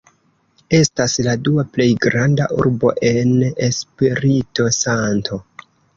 Estas la dua plej granda urbo en Espirito-Santo.